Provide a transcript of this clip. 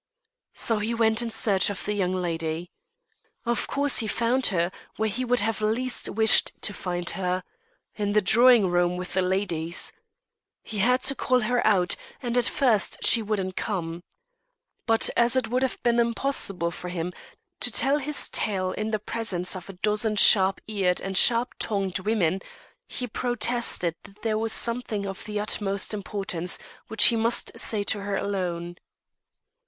So he went in search of the young lady. Of course he found her where he would have least wished to find her in the drawing room with the ladies. He had to call her out, and at first she wouldn't come. But as it would have been impossible for him to tell his tale in the presence of a dozen sharp eared and sharp tongued women, he protested that there was something of the utmost importance which he must say to her alone.